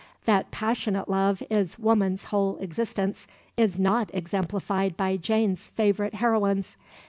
That passionate love "is woman's whole existence" is not exemplified by Jane's favourite heroines.